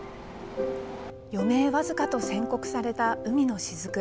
余命僅かと宣告された海野雫。